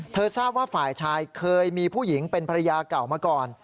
ทราบว่าฝ่ายชายเคยมีผู้หญิงเป็นภรรยาเก่ามาก่อน